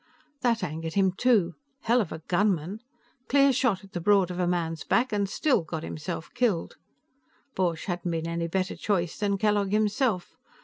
That angered him, too; hell of a gunman! Clear shot at the broad of a man's back, and still got himself killed. Borch hadn't been any better choice than Kellogg himself.